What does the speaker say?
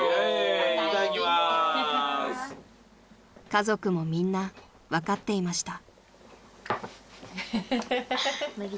［家族もみんな分かっていました］